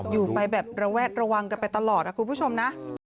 อยู่ไปแบบระแวดระวังกันไปตลอดคุณผู้ชมนะ